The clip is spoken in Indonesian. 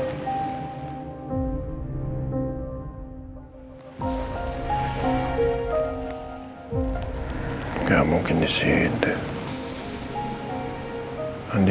oke makasih ya